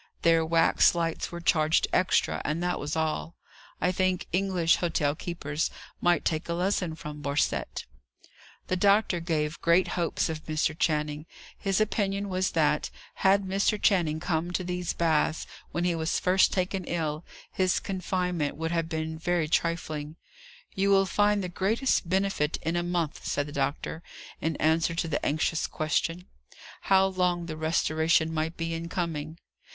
Their wax lights were charged extra, and that was all. I think English hotel keepers might take a lesson from Borcette! The doctor gave great hopes of Mr. Channing. His opinion was, that, had Mr. Channing come to these baths when he was first taken ill, his confinement would have been very trifling. "You will find the greatest benefit in a month," said the doctor, in answer to the anxious question, How long the restoration might be in coming.